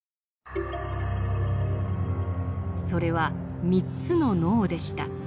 それは三つの脳でした。